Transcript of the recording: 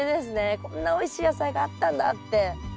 こんなおいしい野菜があったんだって。